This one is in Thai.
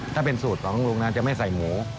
ถ้าเป็นสูตรของลุงนะจะไม่ใส่หมู